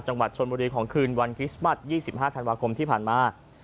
จังหวัดชนบุรีของคืนวันคริสต์มัส๒๕ธันวาคมที่ผ่านมา